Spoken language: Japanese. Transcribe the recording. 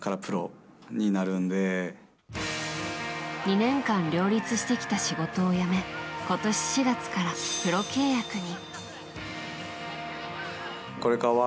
２年間両立してきた仕事を辞め今年４月からプロ契約に。